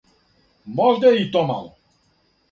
Можда је и то мало!